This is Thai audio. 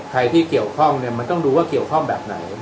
ใครที่เกี่ยวข้องเนี่ยมันต้องดูว่าเกี่ยวข้องแบบไหน